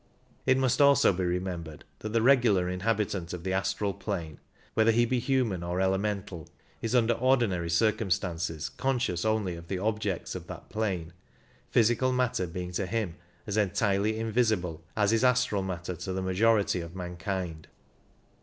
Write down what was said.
It must also be remembered that the regular inhabitant of the astral plane, whether he be human or elemental, is under ordinary circumstances conscious only of the objects of that plane, physical matter being to him as entirely in visible as is astral matter to the majority of mankind.